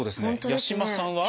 八嶋さんは？